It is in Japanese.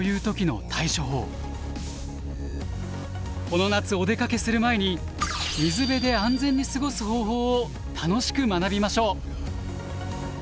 この夏お出かけする前に水辺で安全に過ごす方法を楽しく学びましょう！